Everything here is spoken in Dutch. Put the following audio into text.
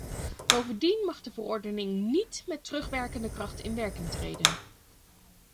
Bovendien mag de verordening niet met terugwerkende kracht in werking treden.